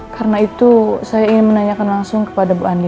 karena itu saya ingin menanyakan langsung kepada bu andin